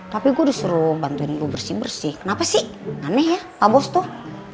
tapi gue disuruh bantuin gue bersih bersih kenapa sih aneh ya pak bos tuh